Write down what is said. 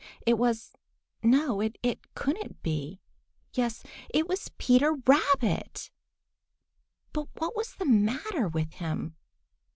It was—no, it couldn't be—yes, it was Peter Rabbit! But what was the matter with him?